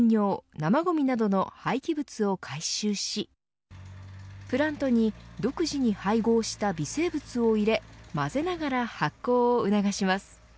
生ごみなどの廃棄物を回収しプラントに独自に配合した微生物を入れ混ぜながら発酵を促します。